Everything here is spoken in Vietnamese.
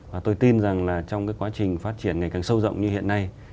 và tôi tin rằng là trong cái quá trình phát triển ngày càng sâu rộng như hiện nay